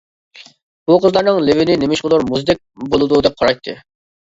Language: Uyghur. ئۇ قىزلارنىڭ لېۋىنى نېمىشقىدۇر مۇزدەك بولىدۇ دەپ قارايتتى.